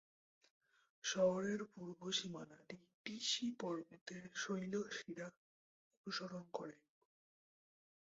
শহরের পূর্ব সীমানাটি টিসি পর্বতের শৈলশিরা অনুসরণ করে।